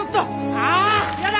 ああ嫌だ！